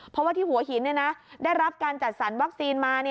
เพราะว่าที่หัวหินได้รับการจัดสรรวัคซีนมา